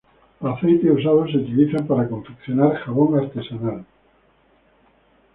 Los aceites usados se utilizan para confeccionar jabón artesanal.